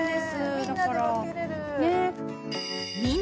みんなで分けれるね